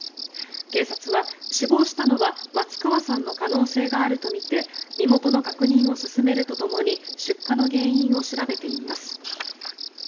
警察は、死亡したのは松川さんの可能性があるとみて身元の確認を進めるとともに出火の原因を調べています。